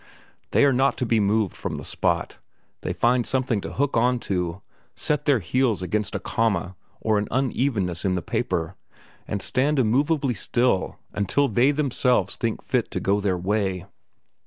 They are not to be moved from the spot; they find something to hook on to, set their heels against a comma or an unevenness in the paper, or stand immovably still until they themselves think fit to go their way.